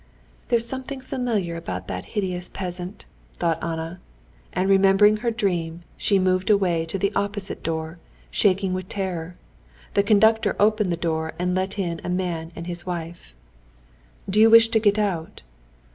"There's something familiar about that hideous peasant," thought Anna. And remembering her dream, she moved away to the opposite door, shaking with terror. The conductor opened the door and let in a man and his wife. "Do you wish to get out?"